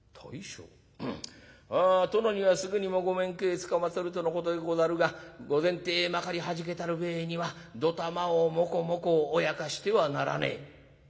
殿にはすぐにもご面会つかまつるとのことでござるが御前体まかりはじけたる上にはどたまをもこもこおやかしてはならねえ」。